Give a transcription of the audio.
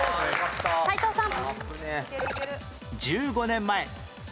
斎藤さん。